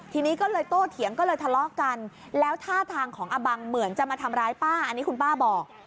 ทีนี้ก็เลยโตเถียงก็เลยทะเลาะกันแล้วท่าทางของอบังเหมือนจะมาทำร้ายป้าอันนี้คุณป้าบอก